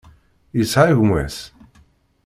Yesεa gma-s?